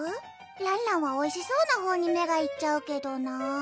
らんらんはおいしそうなほうに目がいっちゃうけどなぁ